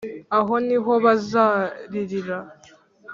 Aho ni ho bazaririra